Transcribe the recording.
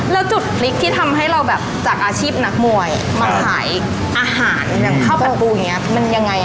แล้วจุดพลิกที่ทำให้เราแบบจากอาชีพนักมวยมาขายอาหารอย่างข้าวตะปูอย่างนี้มันยังไง